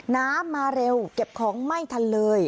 มาเร็วเก็บของไม่ทันเลย